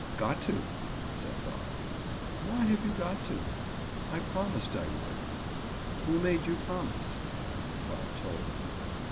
"Got to," said Bob. "Why have you got to?" "I promised I would." "Who made you promise?" Bob told.